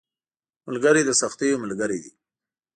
ملګری د سختیو ملګری دی